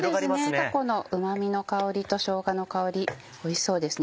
たこのうま味の香りとしょうがの香りおいしそうですね。